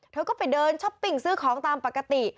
เธอก็ไปเดินช้อปปิ้งซื้อของตามปกติ